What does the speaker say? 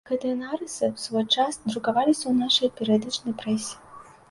Гэтыя нарысы ў свой час друкаваліся ў нашай перыядычнай прэсе.